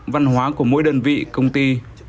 văn hóa của mỗi đơn vị công ty